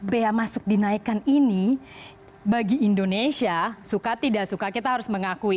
biaya masuk dinaikkan ini bagi indonesia suka tidak suka kita harus mengakui